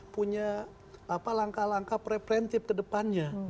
punya langkah langkah pre princip kedepannya